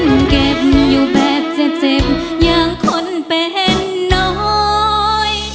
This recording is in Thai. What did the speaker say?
สังเกตอยู่แบบเจ็บเจ็บอย่างคนเป็นน้อย